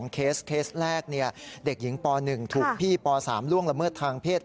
เคสเคสแรกเด็กหญิงป๑ถูกพี่ป๓ล่วงละเมิดทางเพศ